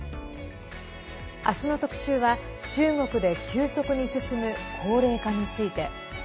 明日の特集は中国で急速に進む高齢化について。